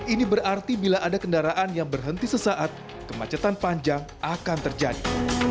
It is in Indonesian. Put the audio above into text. ini berarti bila ada kendaraan yang berhenti sesaat kemacetan panjang akan terjadi